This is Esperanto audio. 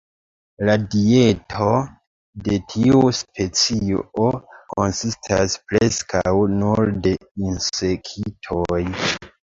La dieto de tiu specio konsistas preskaŭ nur de insektoj.